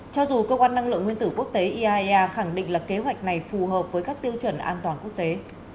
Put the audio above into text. cho dù cơ quan năng lượng nguyên tử quốc tế iaea khẳng định là kế hoạch này phù hợp với các tiêu chuẩn an toàn quốc tế